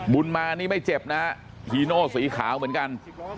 บุญมานี่ไม่เจ็บนะฮะฮีโน่สีขาวเหมือนกัน